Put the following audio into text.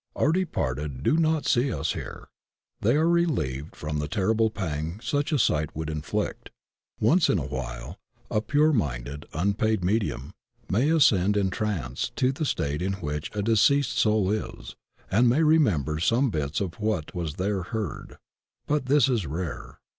Our departed do not see us here. They are reUeved from the terrible pang such a sight would inflict. Once in a while a pure minded, unpaid medium may ascend in trance to the state in which a deceased soid is, and may remember some bits of what was there heard; but this is rare.